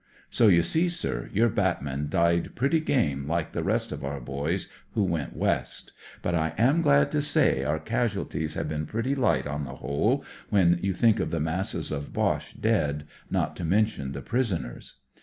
So you see, sir, your batman died pretty game, hke the rest of our boys who went West. Rut I am glad to say our casual ties have been pretty light on the whole, when you think of the masses of Roche dead, not to mention the prisoners.